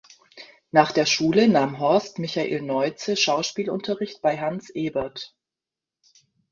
Nach der Schule nahm Horst Michael Neutze Schauspielunterricht bei Hans Ebert.